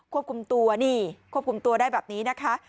ควบคุมตัวนี่ควบคุมตัวได้แบบนี้นะคะ